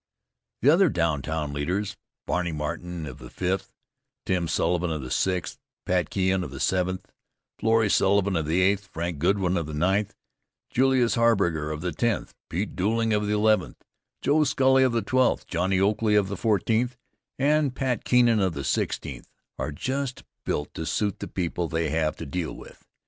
The other downtown leaders, Barney Martin of the Fifth, Tim Sullivan of the Sixth, Pat Keahon of the Seventh, Florrie Sullivan of the Eighth, Frank Goodwin of the Ninth, Julius Harburger of the Tenth, Pete Dooling of the Eleventh, Joe Scully of the Twelfth, Johnnie Oakley of the Fourteenth, and Pat Keenan of the Sixteenth are just built to suit the people they have to deal with.